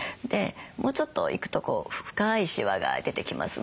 もうちょっといくと深いシワが出てきます。